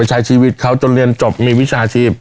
ใช้ชีวิตเขาจนเรียนจบมีวิชาชีพ